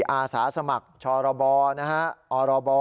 อาสาสมัครชรบนะฮะอรบ